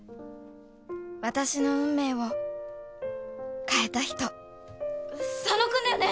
私の運命を変えた人佐野君だよね？